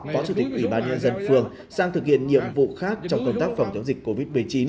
phó chủ tịch ủy ban nhân dân phường sang thực hiện nhiệm vụ khác trong công tác phòng chống dịch covid một mươi chín